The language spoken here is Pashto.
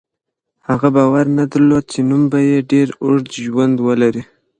هغه باور نه درلود چې نوم به یې ډېر اوږد ژوند ولري.